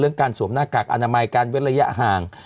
เรื่องการสวมหน้ากากอนามัยการเวลายะหาง